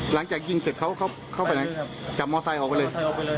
หลังจากยิงเสร็จเขาเข้าไปไหนจับมอไซค์ออกไปเลย